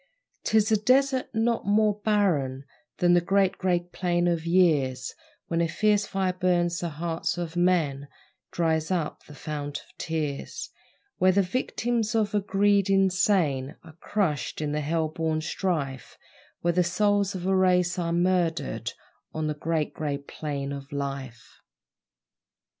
'Tis a desert not more barren Than the Great Grey Plain of years, Where a fierce fire burns the hearts of men Dries up the fount of tears: Where the victims of a greed insane Are crushed in a hell born strife Where the souls of a race are murdered On the Great Grey Plain of Life!